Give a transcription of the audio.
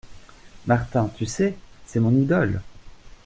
Martin, tu sais ? c’est mon idole !…